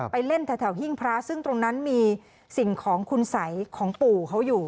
ไปเล่นแถวหิ้งพระซึ่งตรงนั้นมีสิ่งของคุณสัยของปู่เขาอยู่